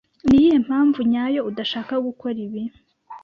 Niyihe mpamvu nyayo udashaka gukora ibi?